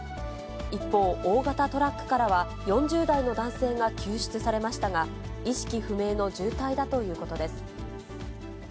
一方、大型トラックからは４０代の男性が救出されましたが、意識不明の重体だということです。